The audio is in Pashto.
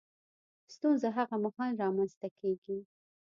ستونزه هغه مهال رامنځ ته کېږي